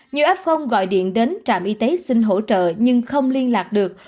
nhiều f gọi điện đến trạm y tế xin hỗ trợ nhưng không liên lạc được